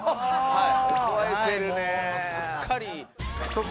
はい。